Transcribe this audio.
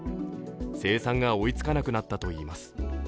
生産が追いつかなくなったといいます。